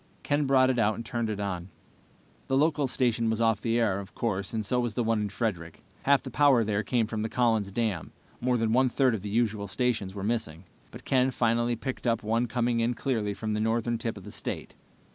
Ken brought it out and turned it on. The local station was off the air, of course, and so was the one in Frederick. Half the power there came from the Collin's Dam. More than one third of the usual stations were missing, but Ken finally picked up one coming in clearly from the northern tip of the state.